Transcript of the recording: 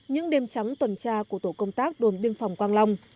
những đêm trắng tuần tra của tổ công tác đồn biên phòng quang long